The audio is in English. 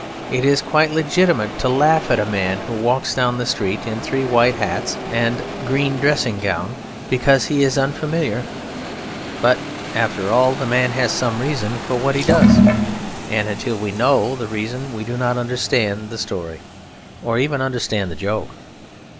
It is quite legitimate to laugh at a man who walks down the street in three white hats and a green dressing gown, because it is unfamiliar; but after all the man has some reason for what he does; and until we know the reason we do not understand the story, or even understand the joke.